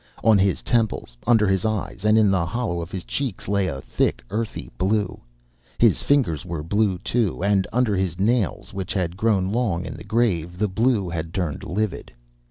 On his temples, under his eyes, and in the hollow of his cheek lay a thick, earthy blue. His fingers were blue, too, and under his nails, which had grown long in the grave, the blue had turned livid.